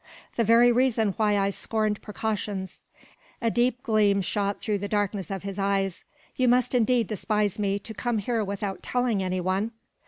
"The very reason why I scorned precautions." A deep gleam shot through the darkness of his eyes. "You must indeed despise me, to come here without telling any one!"